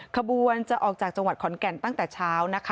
ขบวนจะออกจากจังหวัดขอนแก่นตั้งแต่เช้านะคะ